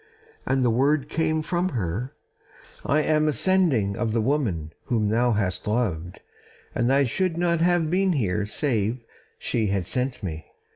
And the word came from her: "I am a sending of the woman whom thou hast loved, and I should not have been here save she had sent me."